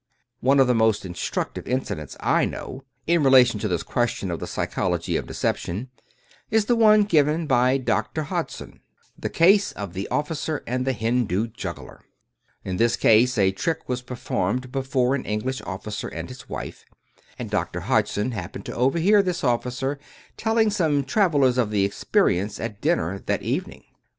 One of the most instructive incidents I know, in rela tion to this question of the psychology of deception, is the one given by Doctor Hodgson* — ^the case of the officer and the Hindu juggler. In this case, a trick was performed before an English officer and his wife, and Doctor Hodg son happened to overhear this officer telling some travelers of the experience at dinner that evening.